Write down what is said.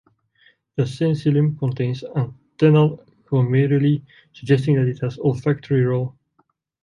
The sensillum contains antennal glomeruli, suggesting that it has an olfactory role.